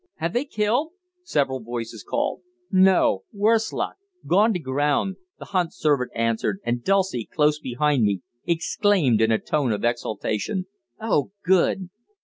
"Have they killed?" several voices called. "No, worse luck gone to ground," the hunt servant answered, and Dulcie, close beside me, exclaimed in a tone of exultation: "Oh, good!"